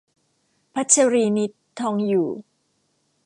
พัชรีนิษฐ์ ทองอยู่